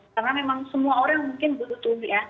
karena memang semua orang mungkin butuh itu